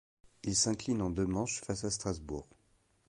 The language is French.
Il s'incline en deux manches face à Strasbourg.